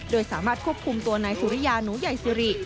โดยสามารถควบคุมตัวนายสุริยาหนูใหญ่สิริ